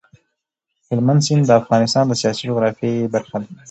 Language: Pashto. هلمند سیند د افغانستان د سیاسي جغرافیې برخه ده.